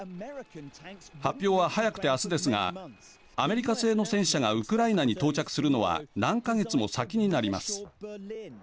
発表は早くて明日ですがアメリカ製の戦車がウクライナに到着するのは何か月も先になります。